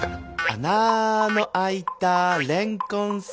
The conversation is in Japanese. あなのあいたれんこんさん